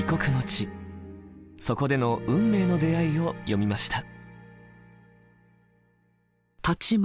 そこでの運命の出会いを詠みました。